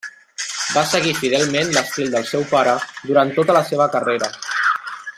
Va seguir fidelment l'estil del seu pare durant tota la seva carrera.